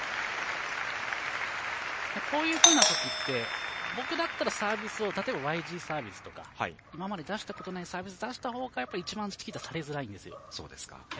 こういうふうな時って僕だったらサービスを例えばＹＧサービスとか今まで出したことないサービスを出すことで一番、チキータされづらいんです。